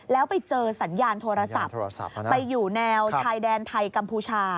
แล้วไปเจอสัญญาณโทรศัพท์ไปอยู่แนวชายแดนไทยกัมพูชา